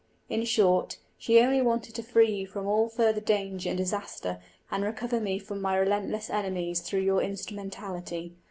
In short, she only wanted to free you from all future danger and disaster, and recover me from my relentless enemies through your instrumentality.